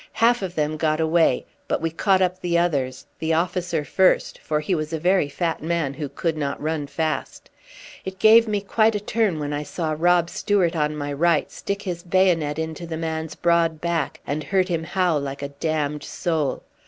Half of them got away; but we caught up the others, the officer first, for he was a very fat man who could not run fast. It gave me quite a turn when I saw Rob Stewart, on my right, stick his bayonet into the man's broad back and heard him howl like a damned soul.